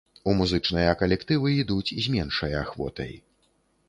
У музычныя калектывы ідуць з меншай ахвотай.